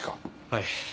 はい。